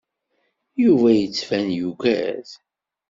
Yuba yettban yugad.